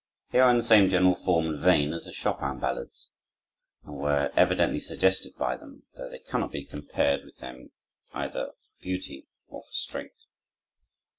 They are in the same general form and vein as the Chopin ballades, and were evidently suggested by them, though they cannot be compared with them either for beauty or for strength.